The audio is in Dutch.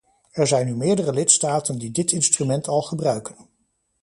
Er zijn nu meerdere lidstaten die dit instrument al gebruiken.